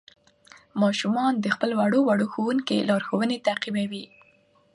ماشومان د خپل ورو ورو ښوونکي لارښوونې تعقیبوي